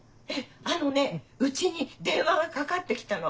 あのね家に電話がかかって来たの。